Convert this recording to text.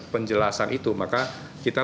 penjelasan itu maka kita